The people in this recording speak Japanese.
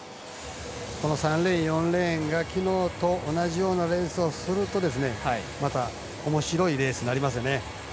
この３レーンと４レーンがきのうと同じようなレースをするとまた、おもしろいレースになりますよね。